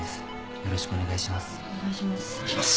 よろしくお願いします。